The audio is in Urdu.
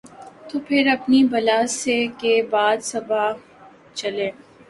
تو پھر اپنی بلا سے کہ باد صبا چلے۔